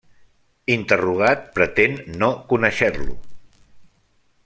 Interrogat, pretén no conèixer-lo.